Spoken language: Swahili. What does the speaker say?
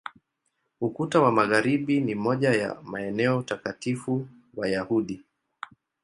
Ukuta wa Magharibi ni moja ya maeneo takatifu Wayahudi.